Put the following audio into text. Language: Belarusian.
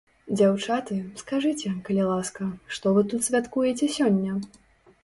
Дзяўчаты, скажыце, калі ласка, што вы тут святкуеце сёння?